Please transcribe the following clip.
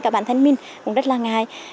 cả bản thân mình cũng rất là ngài